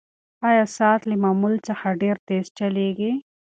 ایا ساعت له معمول څخه ډېر تېز چلیږي؟